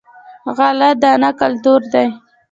غله دانه کلتور دی.